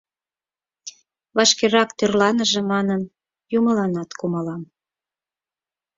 Вашкерак тӧрланыже манын, Юмыланат кумалам.